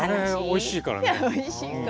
おいしいからね。